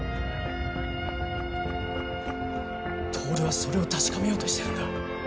透はそれを確かめようとしてるんだ。